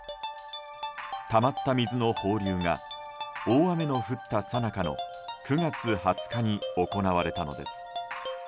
たまった水の放流が大雨の降ったさなかの９月２０日に行われたのです。